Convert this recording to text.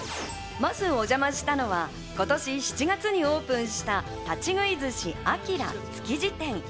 まずお邪魔したのは今年７月にオープンした立喰い寿司あきら築地店。